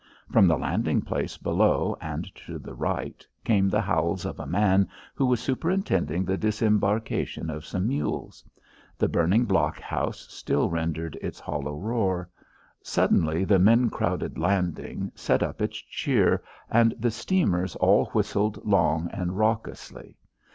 From the landing place below and to the right came the howls of a man who was superintending the disembarkation of some mules. The burning blockhouse still rendered its hollow roar. Suddenly the men crowded landing set up its cheer, and the steamers all whistled long and raucously.